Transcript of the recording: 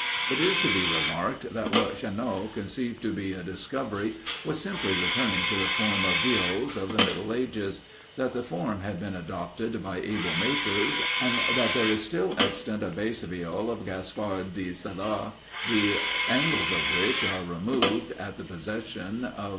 It is to be remarked, that what Chanot conceived to be a discovery was simply returning to the form of Viols of the middle ages; that the form had been adopted by able makers, and that there is still extant a Bass Viol of Gaspard di Salo, the angles of which are removed, in the possession of M.